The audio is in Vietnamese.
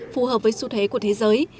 phù hợp với xu thế của thế giới